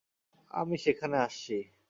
আমি সেখানে আসছি।